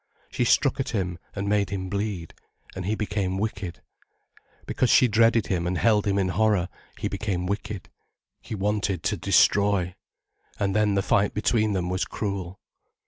She struck at him, and made him bleed, and he became wicked. Because she dreaded him and held him in horror, he became wicked, he wanted to destroy. And then the fight between them was cruel.